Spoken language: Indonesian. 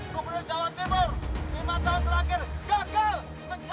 sebelum jawa timur lima tahun terakhir gagal